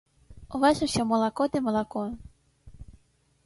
У вас усё малако ды малако.